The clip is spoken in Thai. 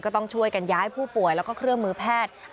ต้องช่วยกันย้ายผู้ป่วยแล้วก็เครื่องมือแพทย์